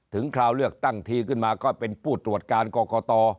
คราวเลือกตั้งทีขึ้นมาก็เป็นผู้ตรวจการกรกต